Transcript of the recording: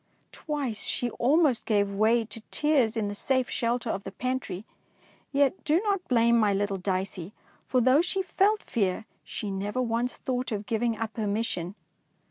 Twice she almost gave way to tears in the safe shelter of the pantry; yet do not blame my little Dicey, for though she felt fear, she never once thought of giving up her mission.